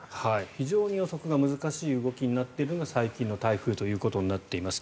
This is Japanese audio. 非常に予測が難しい動きになっているのが最近の台風ということになっています。